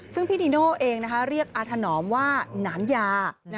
ซึ่งพี่นีโน่เองเรียกอาถนอมว่าหนานยา